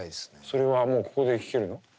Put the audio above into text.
それはもうここで聴けるの？